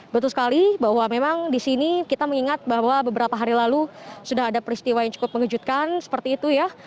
betul sekali bahwa memang di sini kita mengingat bahwa beberapa hari lalu sudah ada peristiwa yang cukup mengejutkan seperti itu ya